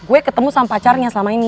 gue ketemu sama pacarnya selama ini